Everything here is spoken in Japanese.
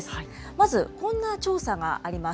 まず、こんな調査があります。